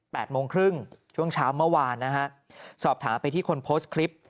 โมงครึ่งช่วงเช้าเมื่อวานนะฮะสอบถามไปที่คนโพสต์คลิป